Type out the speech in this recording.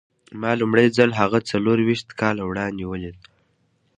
ما لومړی ځل هغه څلور ويشت کاله وړاندې وليد.